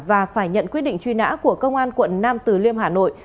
và phải nhận quyết định truy nã của công an quận nam từ liêm hà nội